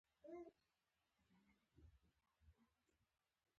ایا زه ممیز خوړلی شم؟